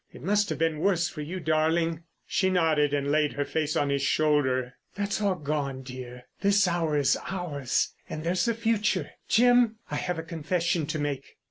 It must have been worse for you, darling." She nodded, and laid her face on his shoulder. "That's all gone, dear. This hour is ours—and there's the future.... Jim, I have a confession to make."